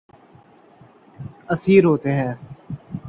اسیر ہوتے ہیں